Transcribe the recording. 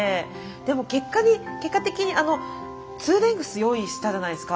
でも結果的にあのツーレングス用意したじゃないですか。